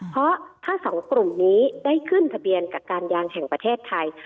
เพราะถ้าสองกลุ่มนี้ได้ขึ้นทะเบียนกับการยางแห่งประเทศไทย